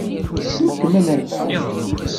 Tcukkem ad nerbeḥ?